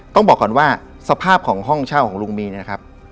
ต้องบอกก่อนว่าสภาพของห้องเช่าของลุงมีนะครับ